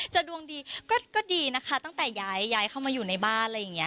ดวงดีก็ดีนะคะตั้งแต่ย้ายเข้ามาอยู่ในบ้านอะไรอย่างนี้